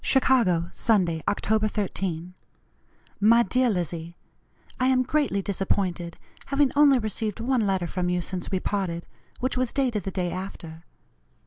"CHICAGO, Sunday, Oct. 13. "MY DEAR LIZZIE: I am greatly disappointed, having only received one letter from you since we parted, which was dated the day after.